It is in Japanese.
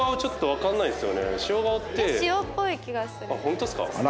ホントっすか？